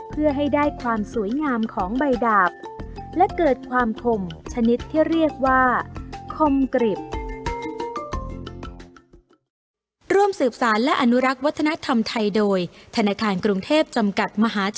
เพื่อให้ได้ความสวยงามของใบดาบและเกิดความคมชนิดที่เรียกว่าคมกริบ